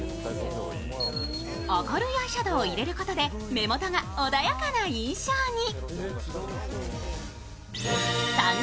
明るいアイシャドウを入れることで目元が穏やかな印象に。